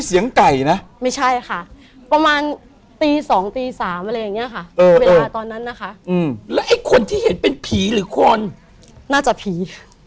สมัยบรรยายหรือซาอยคนที่เห็นเป็นผีหรือคนน่าจะพรี